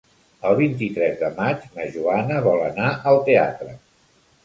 El vint-i-tres de maig na Joana vol anar al teatre.